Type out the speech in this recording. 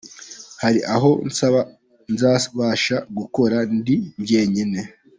Hari aho nzabasha gukora ndi njyenyine